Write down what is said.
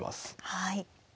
はい。